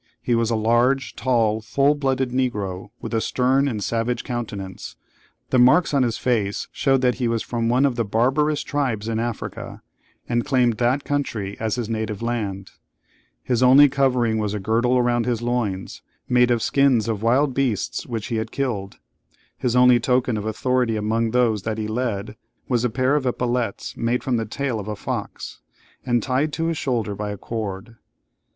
He was a large, tall, full blooded Negro, with a stern and savage countenance; the marks on his face showed that he was from one of the barbarous tribes in Africa, and claimed that country as his native land; his only covering was a girdle around his loins, made of skins of wild beasts which he had killed; his only token of authority among those that he led, was a pair of epaulettes made from the tail of a fox, and tied to his shoulder by a cord.